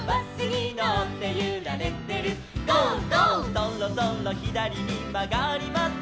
「そろそろひだりにまがります」